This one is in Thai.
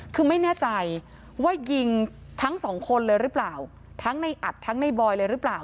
คือไม่แน่ใจว่ายิงทั้งสองคนเลยหรือเปล่าทั้งในอัดทั้งในบอยเลยหรือเปล่า